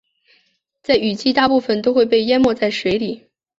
在雨季大部分都会被淹没在水里。